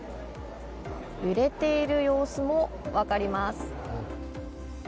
揺れている様子も分かります。